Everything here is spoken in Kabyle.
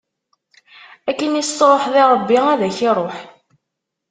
Akken i s-tṛuḥeḍ i Ṛebbi, ad ak-iṛuḥ.